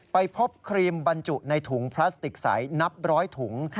ไปพบครีมบรรจุในถุงพลาสติกใสนับร้อยถุง